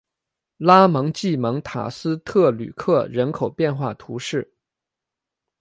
拉蒙济蒙塔斯特吕克人口变化图示